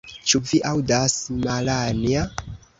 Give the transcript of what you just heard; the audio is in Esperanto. Ĉu vi aŭdas, Malanja.